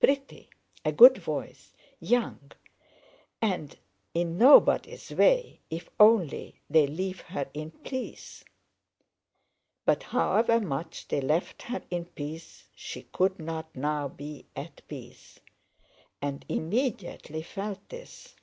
"Pretty, a good voice, young, and in nobody's way if only they leave her in peace." But however much they left her in peace she could not now be at peace, and immediately felt this.